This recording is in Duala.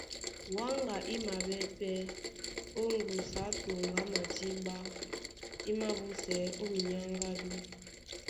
Wáŋga í maɓɛ́ pɛ́ ó ŋgusu á toŋgo a madíɓá í mābúsɛɛ́ ó minyáŋgádú.